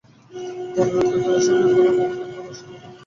মনের উত্তেজনার সঙ্গে গোরার পদক্ষেপ ক্রমশই দ্রুত হইতে লাগিল।